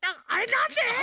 なんで！？